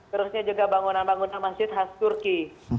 terusnya juga bangunan bangunan masjid khas turki